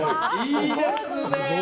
いいですね！